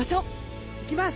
行きます。